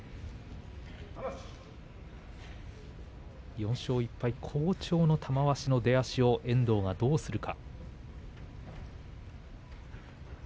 ４勝１敗、好調の玉鷲の出足を遠藤がどうするか。